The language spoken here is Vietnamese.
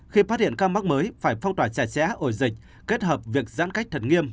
khi phát hiện ca mắc mới phải phong tỏa chặt chẽ ổ dịch kết hợp việc giãn cách thật nghiêm